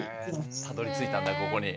たどりついたんだここに。